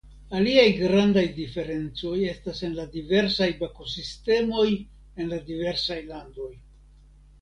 Aliaj grandaj diferncoj estas en la diversaj bakosistemoj en la diversaj landoj.